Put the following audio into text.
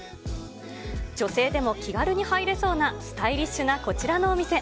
女性でも気軽に入れそうなスタイリッシュなこちらのお店。